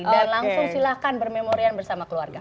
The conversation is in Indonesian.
dan langsung silahkan bermemorian bersama keluarga